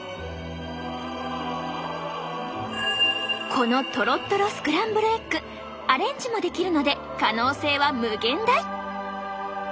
このとろっとろスクランブルエッグアレンジもできるので可能性は無限大！